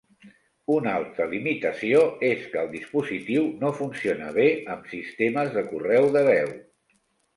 Una altra limitació és que el dispositiu no funciona bé amb sistemes de correu de veu.